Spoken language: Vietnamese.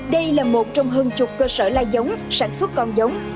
đây là một trong hơn chục cơ sở lai giống sản xuất con giống